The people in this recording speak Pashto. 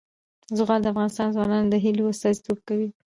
زغال د افغان ځوانانو د هیلو استازیتوب کوي.